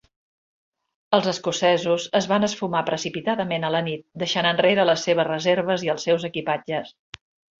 Els escocesos es van esfumar precipitadament a la nit, deixant enrere les seves reserves i els seus equipatges.